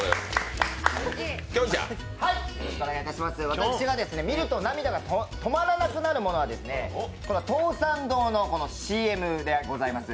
私の見ると涙が止まらなくなるモノはですね、東山堂のＣＭでございます。